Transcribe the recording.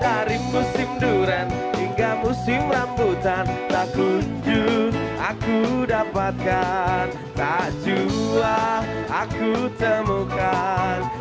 dari musim durian hingga musim rambutan tak kunjung aku dapatkan takjuah aku temukan